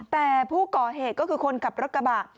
แต่ผู้ก่อเหตุก็คือคนขับรถกระบะ